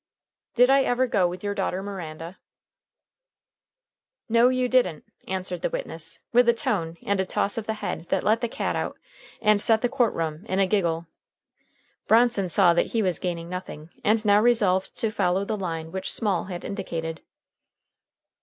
"Did I ever go with your daughter Miranda?" "No, you didn't," answered the witness, with a tone and a toss of the head that let the cat out, and set the court room in a giggle. Bronson saw that he was gaining nothing, and now resolved to follow the line which Small had indicated.